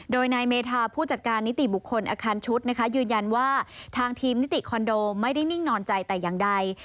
โดยนายเมธาผู้จัดการนิติบุคคลอาคารชุดนะคะยืนยันว่าทางทีมนิติคอนโดไม่ได้นิ่งนอนใจแต่อย่างใด